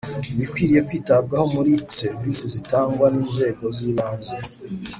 Ibikwiye kwitabwaho muri serivisi zitangwa n inzego z ibanze